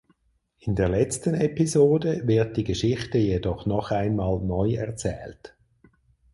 In der letzten Episode wird die Geschichte jedoch noch einmal neu erzählt.